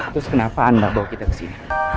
terus kenapa anda bawa kita kesini